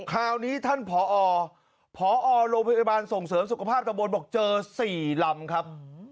คราวนี้ท่านผอพอโรงพยาบาลส่งเสริมสุขภาพตะบนบอกเจอ๔ลำครับ